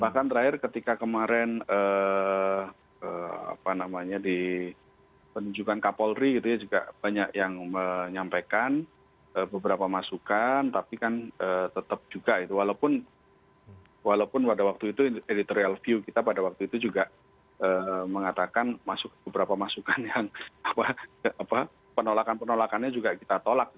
saya pikir ketika kemarin apa namanya di penunjukan kapolri gitu ya juga banyak yang menyampaikan beberapa masukan tapi kan tetap juga itu walaupun walaupun pada waktu itu editorial view kita pada waktu itu juga mengatakan masuk beberapa masukan yang penolakan penolakannya juga kita tolak